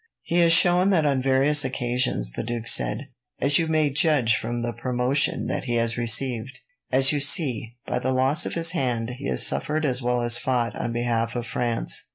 "He has shown that on various occasions," the duke said, "as you may judge from the promotion that he has received. As you see, by the loss of his hand, he has suffered as well as fought on behalf of France.